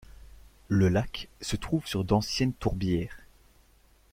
Le lac se trouve sur d'anciennes tourbières.